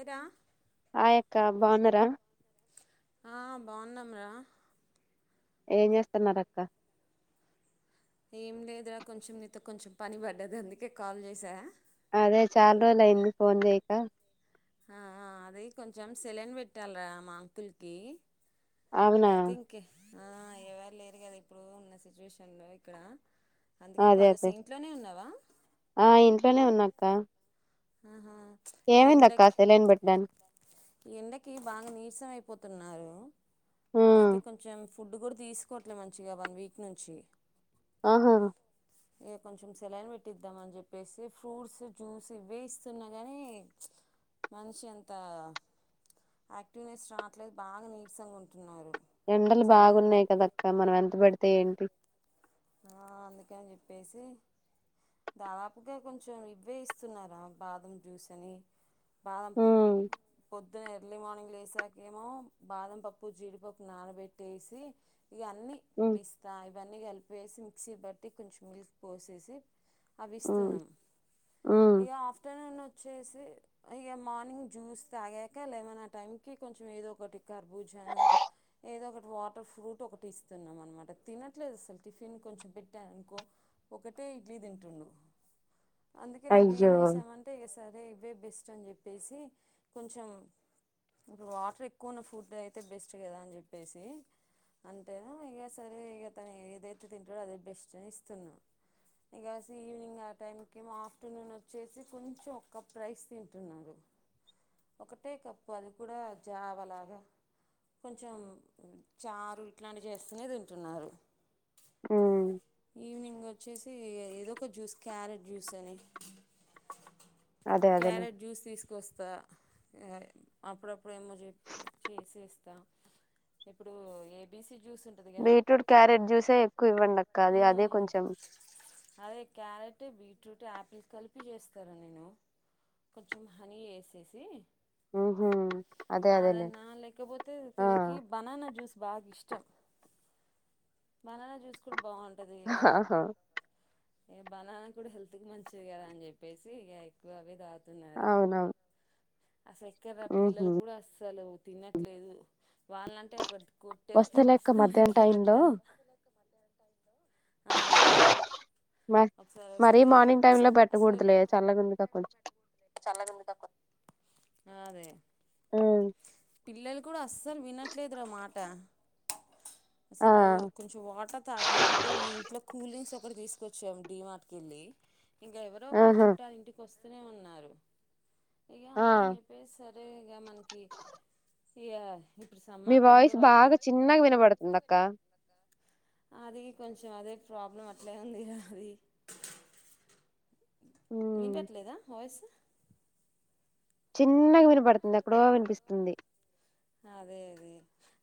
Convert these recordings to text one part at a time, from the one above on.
ఐరా ఆయక్క బావున్నరా ఆ బాగున్నాంరా ఏం చేస్తాన్నారక్క ఏం లేదురా కొంచెం నీతో కొంచెం పని పడ్డది అందుకే కాల్ చేసా అదే చాలా రోజులు అయింది ఫోన్ చేయక అ ఆ అది కొంచెం సెలెన్ పెట్టాలరా మా అంకుల్ కి అవునా ఆ ఎవరు లేరు కదా ఇప్పుడు ఉన్న సిచ్యువేషన్ లో ఇక్కడ అందుకే అదే కాల్ చేసా అదే ఇంట్లోనే ఉన్నావా ఆ ఇంట్లోనే ఉన్న అక్క ఆహా ఈ ఎండ అక్క కి సెలైన్ పెట్టడానికి ఈ ఎండకి బాగా నీర్సమ్ పోతున్నారు ఉమ్ అయితే కొంచెం ఫుడ్ కూడా తీసుకోవట్లేదు మంచిగా వన్ వీక్ నుంచి ఆహా ఇక కొంచెం సెలన్ పెట్టిద్దామ్ అని చెప్పేసి ఫ్రూట్స్, జ్యూస్ ఇవే ఇస్తున్నా కానీ మనిషి అంత యాక్టివ్నెస్ రావట్లేదు బాగా నీరసంగా ఉంటుంన ఎండలు బాగున్నాయి కదక్క మనం ఎం పెడితే ఏంటి ఆ అందుకని చెప్పేసి దాదాపుగా కొంచెం ఇవే ఇస్తున్నారా బాదం జ్యూస్ అని బాదం ఉమ్ పొద్దున్న ఎర్లీ మార్నింగ్ లేసాకేమో బాదం పప్పు జీడిపప్పు నానబెట్టేసి ఇవన్నీ ఉమ్ పిస్తా ఇవన్నీ కలిపు. వేసి మిక్సీ బట్టి కొంచెం మిల్క్ పోసేసి. ఉమ్ అవిస్తున్నాము ఉమ్ ఇక ఆఫ్టర్నూను అయ్యో మార్నింగ్ జ్యూస్ తాగాక, లెవెన్ ఆ టైమ్ కి కొంచెం ఏదో ఒకటి కర్బూజను ఏదో ఒకటి వాటర్ ఫ్రూట్ ఇస్తున్నమనమాట తినట్లేదు అసలుకు టిఫిన్ కొంచెం పెట్టాను అనుకో ఒకటే ఇడ్లీ తింటుండు. అందుకే నీకేం అయ్యో చేసామంటే సరే ఇవే బెస్ట్ అని చెప్పేసి కొంచెం ఇప్పుడు వాటర్ ఎక్కువన్న ఫుడ్ అయితే బెస్ట్ కదా అని చెప్పేసి అంతేనా ఇక సరే ఇక తను ఏదైతే. క తింటాడు అదే బెస్ట్ అని ఇస్తున్నాను ఇం కాసి ఈవినింగ్ ఆ టైంకి ఏమో ఆఫ్టర్నూన్ వచ్చేసి కొంచెం ఒక కప్ రైస్ తింటున్నారు. ఒకటే కప్పు అది కూడా జావలాగా కొంచెం చారు ఇట్లాంటి చేస్తూనే తింటున్నారు. ఉమ్ ఈవినింగ్ వచ్చేసి ఏదో ఒక జూస్ క్యారెట్ జ్యూస్ అని అదే అదేలే క్యారెట్ జ్యూస్ తీసుకొస్తా. అప్పుడప్పుడు ఏమో చేసిస్తా ఇప్పుడు A B C. Beetroot, carrot juice. సే ఎక్కువ ఇవ్వండక్క అదే అదే మ్మ్ కొంచం. అంటే బీట్రూట్ యాపిల్ కలిపి చేస్తారా నేను కొంచెం హనీ వేసేసి. ఉహు అదే అదేలే అదన్న లేకపోతే ఆ తనకి బనానా జ్యూస్ బాగా ఇష్టం. చెం. బనానా జ్యూస్ హా హా ఏ బనాన్న కూడా హెల్త్ కి మంచిది కదా అని చెప్పేసి ఇక ఎక్కువ అవి దా. అన్నారూ అవునవును అసల్ కే ఎక్కర ఉహు పిల్లలు కూడా. అసలు తినట్లేదు. వాళ్ళంటే ఒక కొట్టే వస్తలే అక్క తినిపిస్తున్నా మధ్యాహ్నం ఎట్లో టైమ్ గట్ట లో ఆ మా ఒకసారి మరీ వస్తే మార్నింగ్ టైమ్ లో అసలు పెట్టకూడదులే మ మని చల్లగుందిగా పె కొంచెం చల్లంది త. నాదే పిల్లలు కూడా అస్సలు వినట్లేదు రా మాట్ ట్ట ఆ అసలు కొంచెం వాటర్ తాగమంటే ఈ ఇంట్లో కూలింగ్స్ [unintelligible] కూడా తీసుకొచ్చాం డి మట్కెళ్ళి. ఇంకా ఎవరో ఒకలు ఆహా చుట్టాలు ఇంటికి వస్ స్తూనే ఉన్నారు ఇగ ఆ అందుకని చెప్పేసి సర్ అరే ఇగా మనకి ఇయ్యా మీ వాయిస్ బాగా చిన్నగా వినబడుతుంది అక్క అది కొంచెం అదే ప్రాబ్లం అట్లే ఉంది అది ఉమ్ వినిపియ్యట్లేదా వాయిస్ చిన్నగా వినపడుతుంది ఎక్కడో వినిపిస్తుంది అదే అదే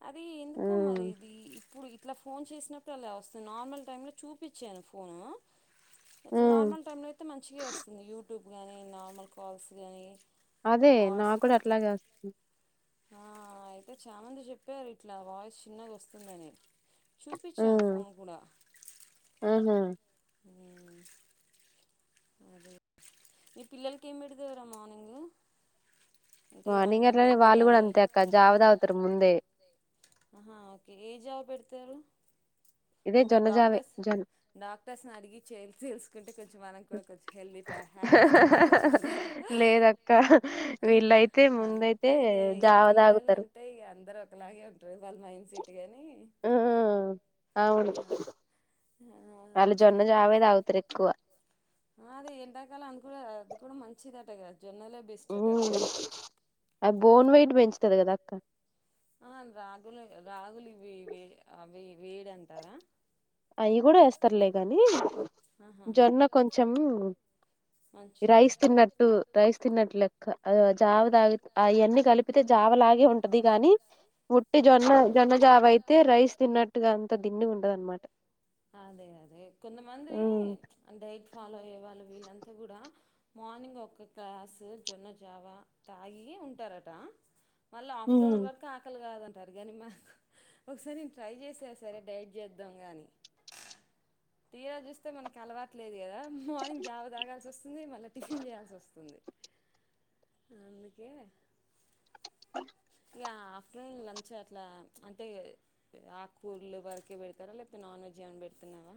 అది ఎందుకో మరి ఉమ్ ఇది ఇప్పుడు ఇట్లా ఫోన్ చేసినప్పుడు అలా వస్తుంది నార్మల్ టైమ్ లో చూపించాను ఫోను ఇట్లా ఉమ్ నార్మల్ టైమ్ లో అయితే మంచిగ వస్తుంది యూ యూట్యూబ్ కానీ నార్మల్ కాల్స్ కానీ అదే నా కూడా అట్లాగే వస్తుంది ఆ అయితే చాలామంది చెప్పారు ఇట్లా వాయిస్ చిన్నగా వస్తుందని చూపించాను ఉమ్ ఫోన్ కూడా ఆహా అదే మీ పిల్లలకి ఏం పెడతవరా మార్నింగ్ అంటే ఏమైనా నింగ ఎట్లానే మిల్లెట్ వాళ్ళు కూడా కానీ అంతే అక్క జావద అవుతారు ముందే ఆహా ఓకే ఏ జాబు పెడతారు ఇదే అంటే జొన్న జావే డాక్టర్ జొన్న డాక్టర్స్ అడిగి చే తెసుకుంటే కొంచెం మనకు కూడా కొంచెం హెల్దీ హ్యాబిట్స్ నేర్చుకోవచ్చు కదా లేదక్క వీళ్ళయితే ముందయితే అంతే ఇక జావ పిల్లలు తాగుతారు అంటే ఇక అందరుూ ఒకలాగే ఉంటు ల్ నైన్ సిటీగాని ఉమ్ అవును వాళ్ళు జొన్న జావే తాగుతారు ఎక్కువ ఆ అదే ఎండాకాలానికి కూడా అది కూడా మంచిదిట గా బోన్ వై పెంచుతది కద అక్క ఆ రాగులు రాగులు ఇవి ఇవే అవి వేడి అంటారా అవి కూడా వేస్తారులే గాని ఆహా జొన్న కొంచెం మంచిదా రైస్ తిన్నట్టు రైస్ తిన్నట్ లెక్క జావ తాగి అవన్ని కలిపితే జావ లాగే ఉంటది గాని వుట్టి జొన్న జొన్న జావ అయితే రైస్ తిన్నట్టుగా అంత దిండి ఉంటద అనమాట అదే అదే కొంతమంత్రి డై ఫాలో అయ్యే వాళ్ళు వీళ్ళంతా కూడా మార్నింగ్ ఒక క్లాసు జొన్న జావా తాగి ఉంటారట మళ్ళ ఆఫ్టర్నూన్ వర్ కాదంటారు కానీ ఒకసారి నే ట్రై చేసా సరే డైట్ చేద్దాం గాని తీరా చూస్తే మనకి అలవాట్లేదు కదా మార్నింగ్ జావ తాగాల్సి వస్తుంది మళ్ళీ టిఫిన్ చేయాల్సి వస్తుంది అందుకే కా ఆఫ్టర్నూన్ లంచ్ అట్లా అంటే ఆకూర్లు వరకే పెడతారా లేకపోతే నాన్ వెజ్ ఏమైనా పెడుతున్నావా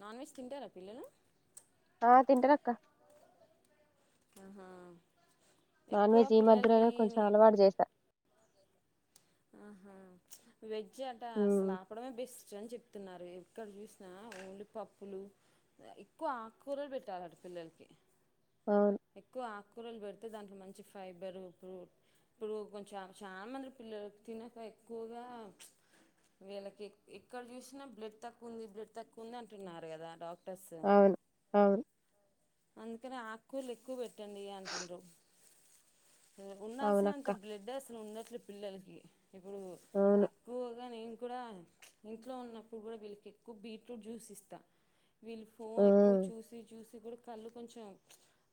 నాన్ వెజ్ తింటారా పిల్లలు ఆ తింటరు అక్క ఆహా నాన్ ఎక్కువ వెజ్ ఈ పిల్లలకి మధ్యలోైనే కొంచెం అలవాటు చేశా ఆహా వె జ్ అంట ఉమ్ అసలు ఆపడమే బెస్ట్ చన్ చెప్తున్నారు ఎక్కడ చూసినా ఓన్లి పప్పులు ఎక్కువ ఆకూరలు పెట్టాలట పిల్లలకి అవును ఎక్కువ ఆకు కూరలు పెడితే దాంట్లో మంచి ఫైబరు ఇప్పు ఇప్పుడు కొంచెం చాలా మంది పిల్లలు తినక ఎక్కువగా వీళ్ళకి ఎక్కడ చూసినా బ్లడ్ తక్కువ ఉంది బ్లడ్ తక్కువ ఉంది అంటున్నారు కదా డాక్ట అవును అవును అందుకని ఆకూర్లు ఎక్కువ పెట్టండి అంటున్నారు ఉండాల్సినంత అవునక్క బ్లడ్ అస్ ఉండట్లే పిల్లలకి ఇప్పుడు అవును ఎక్కువగా నేను కూడా ఇంట్లో ఉన్నప్పుడు కూడా వీళ్ళకి ఎక్కువ బీట్రూట్ జ్యూస్ ఇస్తా వీళ్ళు ఫోన్ ఎక్కువ ఉమ్ చూసి చూసి ప్పుడు కళ్ళు కొంచెం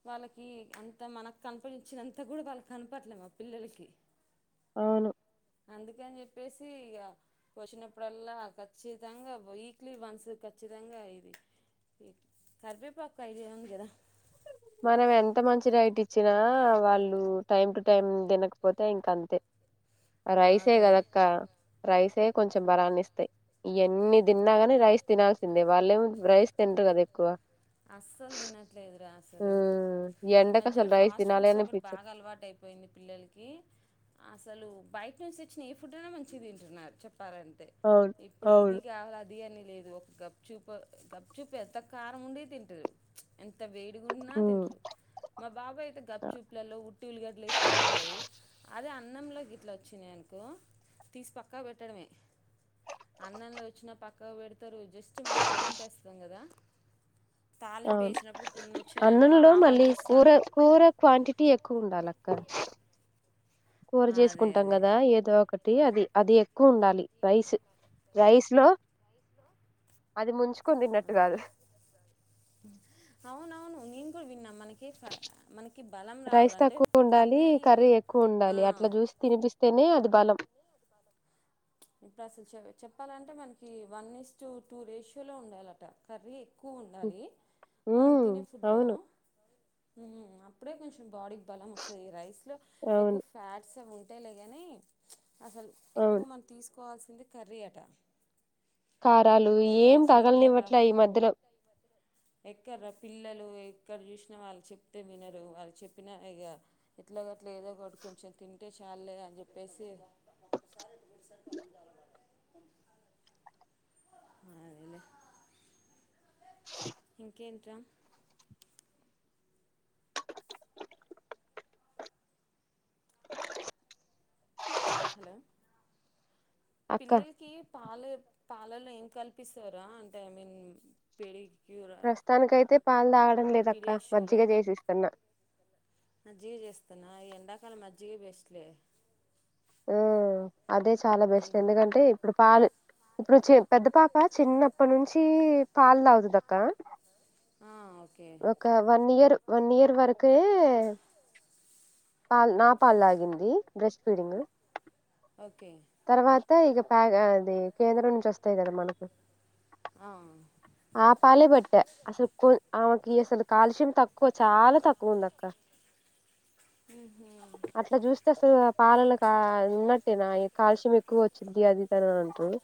వాళ్ళకి అంత మనకు కనిపించినంత కూడా వాళ్ళ కనపట్లేము మా పిల్లలకి అవును అందుకని చెప్పేసి ఇక వచ్చినప్పుడల్లా ఖచ్చితంగా వీక్లీ వన్స్ ఖచ్చితంగా ఇది కరిపేపాకు ఐడియా ఉంది కదా మనం ఎంత మంచి డైట్ ఇచ్చినా వాళ్ళు టైం టు టైం తినకపోతే ఇంక అంతే రైస్గ అదే అదక్క రైస్ కొంచెం బరాన్ని ఇస్తాయి ఇవన్ని తిన్నాగానే రైస్ తినాల్సిందే వాళ్ళేం రైస్ తినరు కదా ఎక్కువ అసలు దిన లేదురా అసలు ఉమ్, ఈ ఎండకు మధ్యలో అసలు రైస్ ఫాస్ట్ తినాలి ఫుడ్స్ ఒకటి అనిపించదు బాగా అలవాటు అయిపోయింది పిల్లలకి అసలు బయట నుంచి తెచ్చిన ఏ ఫుడ్ అయినా మంచిగా తింటున్నారు చెప్ చెప్పారంటే అవును ఇప్పుడు ఇది అవును కావాలది బిర్యానీ లేదు ఒక గప్ చూపు గప్చూపు ఎంత కారం ఉండడి తింటారు ఎంత వేడి ఉమ్, తిరు మా బాబాయితే గప్పు చూపులలో ఉట్ ఉల్లిగడ్లు వకని తింటారు అదే అన్నంలో గ ఇట్లా వచ్చినాయి అనుకో తీసి పక్కా పెట్టడమే అన్నంలో వచ్చినా పక్కా పెడతారు జస్ట్ మనం తళింప వేస్తాం కదా తాలింపు అవు వేసినప్పుడు కొన్ని వచ్చినాయి అనుకో అన్నలో మళ్ళీ ఆవాలతో కూర సహా కూర క్వాంటిటీ ఎక్కువ ఉండాలి అక్క కూర అదే చేసుకుంటాం అదే కదా ఏదో ఒకటి అది అది ఎక్కువ ఉండాలి రైస్ రైస్ లో అది ముంచు అవున అవును నిం రైస్ తక్కువ ఉండాలి కర్రీ ఎక్కువ ఆ ఉండాలి అట్లా చూసి తినిపిస్తేనే అది బలం ఇప్పుడు అసలు చె చెప్పాలంటే మనకి వన్ ఇస్ టు టూ రేషియోలో ఉండాలిట కర్రీ ఎక్కువ ఉండాలి మనం ఉమ్ తినే ఫుడ్లో అవును అప్పుడే కొంచెం బాడీ బలం వస్తుంది ఈ రైస్ లో ఎక్కువ అవును ఫ్యాట్స్ ఏ గట్ట లేగనే అసలు ఎక్కువ అవును మ తీసుకోవాల్సింది కర్రీ ఆట కారాలు ఏం తగలినివ్వట్లే ఈ మధ్యలో ఎక్కడ్రా పిల్లలు ఎక్కడ చూసినా వాళ్ళు చెప్తే వినరు వాళ్ళు చెప్పినా ఇక ఎట్లాగట్లే ఏదో ఒకటి కొంచెం తింటే చాలులేద అని చెప్పేసి [inaudible] ఇంకేం హలో అక్క పిల్లలకి పాలు పాలల్లో ఏం కల్పిస్తారా అంటే ఐ మీన్ పెేడి ప్రస్తుతానికైతే పాలు తాగడం లేదక్క పిడియాష్యూరా మజ్జిగ చేసిస్తున్నా మజ్జిగ చేస్తును ఈ ఎండాకాల మజ్జిగ బెస్ట్లే హ్మ్ అదే చాలా బెస్ట్ ఎందుకంటే ఇప్పుడు పాలు ఇప్పుడు చే పెద్ద పాప చిన్నప్పటి నుంచి పాలు తాగుతుందాక్ క ఆ ఓకే ఒక వన్ ఇయర్ వన్ ఇయర్ వరకె పాల్ నా పాల్లాగింది బ్రెస్ట్ ఫీడింగ్ ఓకే తర్వాత ఇక ప్యాగ అది కేంద్రం నుంచి వస్తాయి కదా మనకు ఆ, ఆ పాలే పెట్ట అసలు పూ ఆమెకి అసలు కాల్ష్యయం తక్కువ చాలా తక్కువ ఉంది అక్క ఉమ్, అట్లా చూస్తే అసలు ఆ పాలల్లో కా ఉన్నట్టే నా కాలుష్యం ఎక్కువ వచ్చింది అది తని అంటారు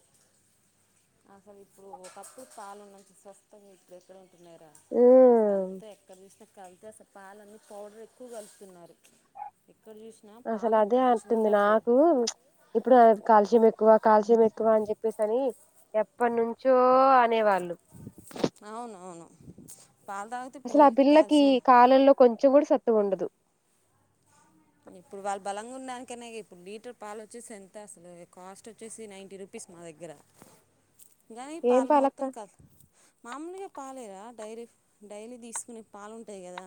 అసలు ఇప్పుడు ఒక తప్పు స్ాలుం నుంచి స్వస్ంగా ఇప్పుడు ఎక్కడ అంటన్నార అసలు ఉమ్ అంత ఎక్కడ చూసినా కలితే అసలు పలన్నీ పౌడర్ ఎక్కువ కలుపుతున్నారు ఎక్కడ చూసినా అసలు పాలు అంత అదే మంచిగా అంటంది ఉండట్లేదు నాకు ఇప్పుడు కాల్షియం ఎక్కువ కాల్షియం ఎక్కువ అని చెప్పేసి అని ఎప్పటి నుంచో అనేవాళ్ళు అవునవును అసలు ఆ పిల్లకి కాలంలో కొంచెం కూడా స ఉండదు ఇప్పుడు వాళ్ళు బలంగా ఉండనికనే ఇప్పుడు లీటర్ పాలు వచ్చేసి ఎంత అసలు కాస్ట్ వచ్చేసి నైంటీ రూపీస్ మా దగ్గర జనీ ఏం పాల పాలక్క మోతం కల్తీ మామూలుగా పాలేరా డైరీ డైలీ తీసుకునే పాలుంటాయి కదా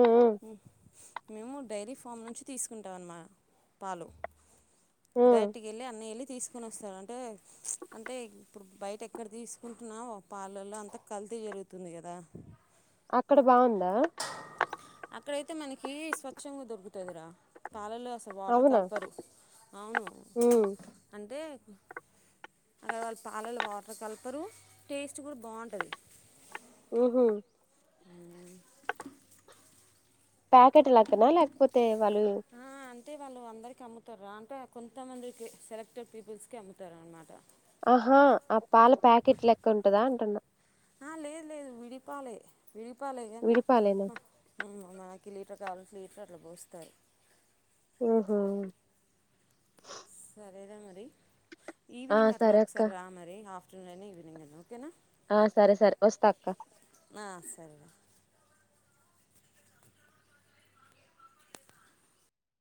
ఉమ్ ఉమ్ ఉ మేము డైరీ ఫామ్ నుంచి తీసుకుంటాం అన్నమా పాలు ఉమ్. డైరెక్ట్ గా వెళ్ళి అన్ని తీసుకొని వస్తారు అంటే అంటే ఇప్పుడు బయట ఎక్కడ తీసుకుంటున్నా పాలల్లో అంతా కల్తీ జరుగుతుంది కదా అక్కడ బాగుందా అక్కడైతే మనకి స్వచ్ంగా దొరుకుతుందిరా పాలలో అసలు వాటర్ అవునా కలపరు అవును ఉమ్ అంటే అక్కడ వాళ్ళు పాలలు వాటర్ కలపరు టేస్ట్ కూడా బాగుంటుంది ఉఓహ ప్యాకెట్ లక్కనా లేకపోతే వాళ్ళు అంటే వాళ్ళు అందరికీ అమ్ముతారా అంటే కొంతమందికి సెలెక్టెడ్ పీపుల్స్కి అమ్ముతారు అన్న మాట ఆహా పాల ప్యాకెట్ లెక్క ఉంటదా అంటున్నా విడిప్ ప్పాలే గానీ విడిపాలేనా కి లీటర్ కావాల్సి లీటర్ అట్లా పోస్తారు ఓహో అదేదా మరి ఆ ఈవినింగ్ అట్లా సరే అక్క ఒకసారి రా మరి ఆఫ్ టూ నైన్ ఈవినింగ్ అన్న ఓకేనా ఆ సరే సరే వస్తక్క ఆ సరేలే